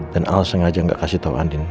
dan al sengaja nggak kasih tau anding